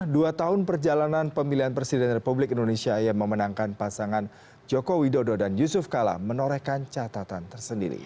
dua tahun perjalanan pemilihan presiden republik indonesia yang memenangkan pasangan joko widodo dan yusuf kala menorehkan catatan tersendiri